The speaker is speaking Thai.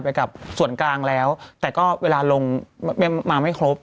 ไปกับส่วนกลางแล้วแต่ก็เวลาลงมาไม่ครบ